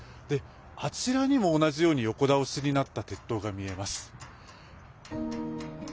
あちらにも同じように横倒しになった鉄塔が見えます。